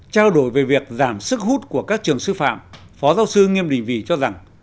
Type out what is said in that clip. trao đổi về việc giảm sức hút của các trường sư phạm phó giáo sư nghiêm đình vì cho rằng